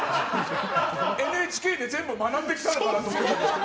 ＮＨＫで全部学んできたと思ったら。